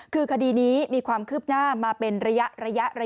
คือคดีนี้มีความคืบหน้ามาเป็นระยะ